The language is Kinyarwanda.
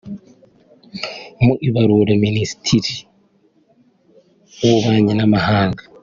Mu ibaruwa Ministiri w’Ububanyi n’Amahanga